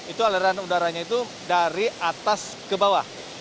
itu aliran udaranya itu dari atas ke bawah